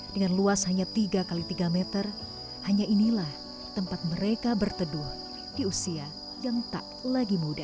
dengan luas hanya tiga x tiga meter hanya inilah tempat mereka berteduh di usia yang tak lagi muda